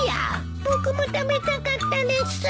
僕も食べたかったです。